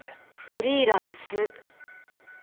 フリーランス。